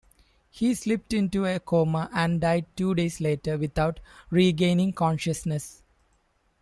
He slipped into a coma and died two days later without regaining consciousness.